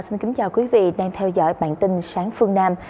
xin kính chào quý vị đang theo dõi bản tin sáng phương nam